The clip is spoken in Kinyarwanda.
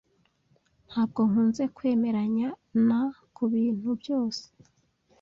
Ntabwo nkunze kwemeranya na kubintu byose.